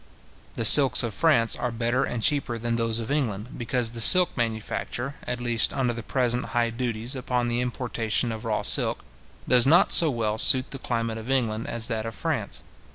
The silks of France are better and cheaper than those of England, because the silk manufacture, at least under the present high duties upon the importation of raw silk, does not so well suit the climate of England as that of France.